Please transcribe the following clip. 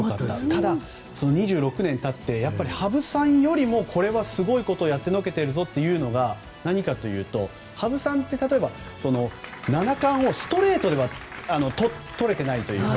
ただ、２６年経って羽生さんよりもこれはすごいことをやってのけているというのが何かというと、羽生さんって例えば、七冠をストレートではとれていないというか。